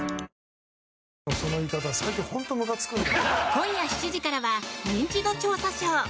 今夜７時からは「ニンチド調査ショー」。